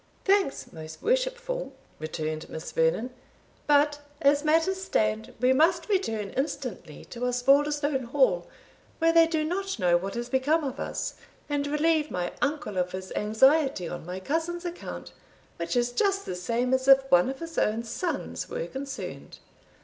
"Thanks, most worshipful," returned Miss Vernon; "but, as matters stand, we must return instantly to Osbaldistone Hall, where they do not know what has become of us, and relieve my uncle of his anxiety on my cousin's account, which is just the same as if one of his own sons were concerned."